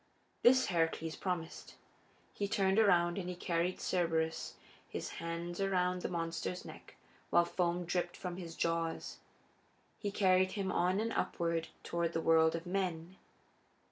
This Heracles promised. He turned around and he carried Cerberus, his hands around the monster's neck while foam dripped from his jaws. He carried him on and upward toward the world of men.